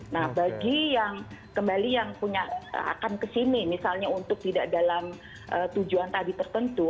nah bagi yang kembali yang punya akan ke sini misalnya untuk tidak dalam tujuan tadi tertentu